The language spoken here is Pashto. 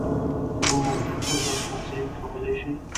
نود ښځو استازي کولى شي.